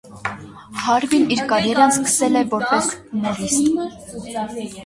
Հարվին իր կարիերան սկսել է, որպես հումորիստ։